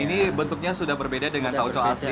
ini bentuknya sudah berbeda dengan tauco asli